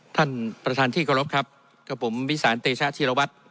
ท่านประธานที่ขอรับครับกับผมวิสาหญิงเตชาฮิราวัสต์